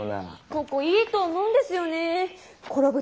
ここいいと思うんですよねー。